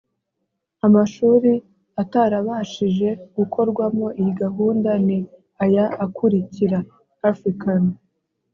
amashuri atarabashije gukorwamo iyi gahunda ni aya akurikira african